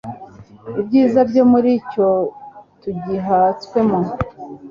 ibyiza byo muri cyo tugihatswemo